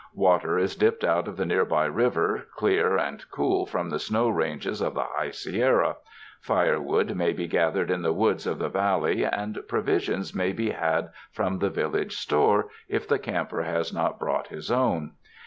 Water is dipped out of the near by river, clear and cool from the snow ranges of the High Sierra, firewood may be gathered in the woods of the valley, and provisions may be had from the village store, if the camper has not brought his own.